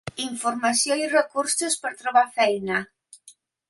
Informació i recursos per trobar feina.